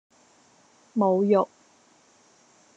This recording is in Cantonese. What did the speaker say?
侮辱